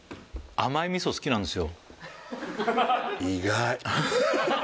「甘い味噌好きなんですよ」